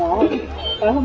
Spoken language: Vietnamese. nó trường lạc hay không